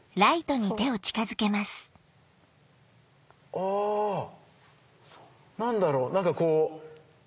あぁ何だろう何かこう。